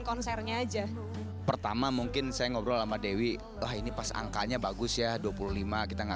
konsernya aja pertama mungkin saya ngobrol sama dewi wah ini pas angkanya bagus ya dua puluh lima kita nggak